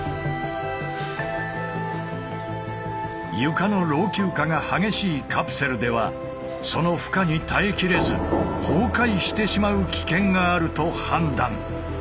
床の老朽化が激しいカプセルではその負荷に耐えきれず崩壊してしまう危険があると判断。